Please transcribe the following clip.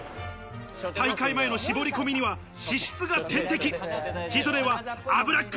大会前の絞り込みには脂質が天敵。